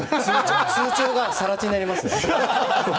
通帳が更地になりますよ。